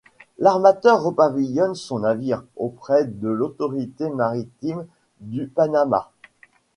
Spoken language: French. L'armateur repavillonne son navire auprès de l'autorité maritime du Panama.